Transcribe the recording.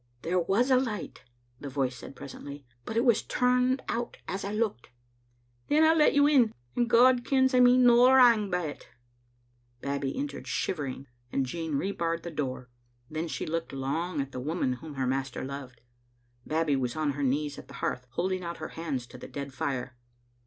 "There was a light," the voice said presently, "but it was turned out as I looked." " Then I'll let you in, and God kens I mean no wrang by it" Babbie entered shivering, and Jean rebarred the door. Then she looked long at the woman whom her master loved. Babbie was on her knees at the hearth, holding out her hands to the dead fire.